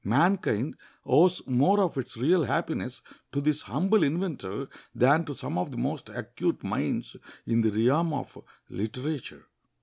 Mankind owes more of its real happiness to this humble inventor than to some of the most acute minds in the realm of literature.